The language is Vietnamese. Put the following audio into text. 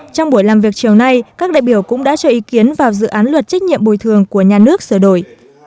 trong buổi làm việc chiều nay các đại biểu cũng đã cho ý kiến vào dự án luật trách nhiệm bồi thường của nhà nước sửa đổi